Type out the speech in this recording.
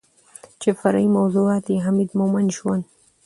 چې فرعي موضوعات يې حميد مومند ژوند